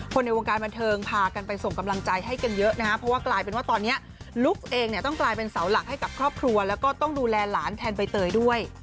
ในวงการบันเทิงพากันไปส่งกำลังใจให้กันเยอะนะครับเพราะว่ากลายเป็นว่าตอนนี้ลุ๊กเองเนี่ยต้องกลายเป็นเสาหลักให้กับครอบครัวแล้วก็ต้องดูแลหลานแทนใบเตยด้วย